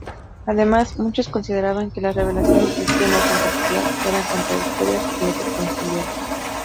Además, muchos consideraban que las revelaciones cristianas, en particular, eran contradictorias e irreconciliables.